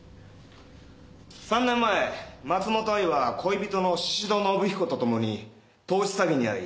３年前松本藍は恋人の宍戸信彦とともに投資詐欺に遭い。